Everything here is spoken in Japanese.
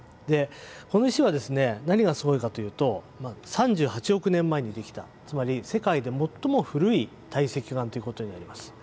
この石はですね何がすごいかというと３８億年前にできたつまり世界で最も古い堆積岩ということになります。